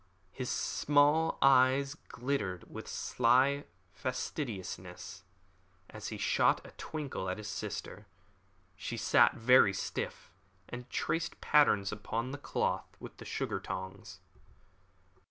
His small eyes glittered with sly facetiousness as he shot a twinkle at his sister. She sat very stiff, and traced patterns upon the cloth with the sugar tongs.